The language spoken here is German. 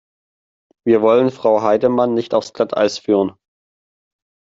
Wir wollen Frau Heidemann nicht aufs Glatteis führen.